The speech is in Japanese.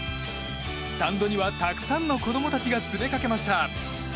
スタンドにはたくさんの子供たちが詰めかけました。